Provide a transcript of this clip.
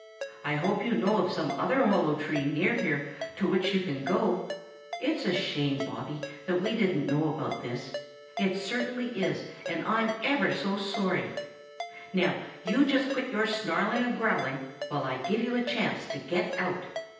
I hope you know of some other hollow tree near here to which you can go. Its a shame, Bobby, that we didn't know about this. It certainly is, and I'm ever so sorry. Now you just quit your snarling and growling while I give you a chance to get out."